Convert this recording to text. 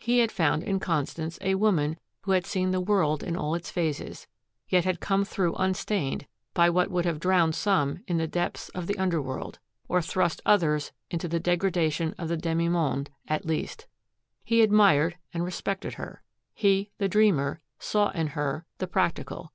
He had found in Constance a woman who had seen the world in all its phases, yet had come through unstained by what would have drowned some in the depths of the under world, or thrust others into the degradation of the demi monde, at least. He admired and respected her. He, the dreamer, saw in her the practical.